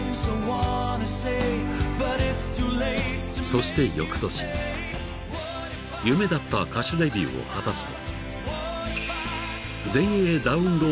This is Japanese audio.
［そして翌年夢だった歌手デビューを果たすと］